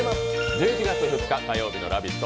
１１月２日火曜日の「ラヴィット！」